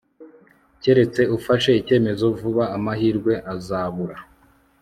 keretse ufashe icyemezo vuba, amahirwe azabura